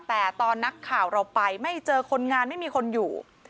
แต่ตอนนักข่าวเราไปไม่เจอคนงานไม่มีคนอยู่